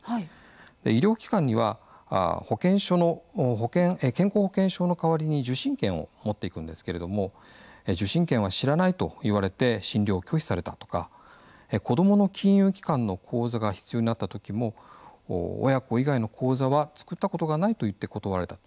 医療機関には健康保険証の代わりに受診券を持っていくんですけれども受診券は知らないと言われて診療を拒否されたとか子どもの金融機関の口座が必要になった時も親子以外の口座は作ったことがないといって断られた。